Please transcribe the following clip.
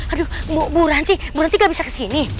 aduh bu ranti bu ranti gak bisa kesini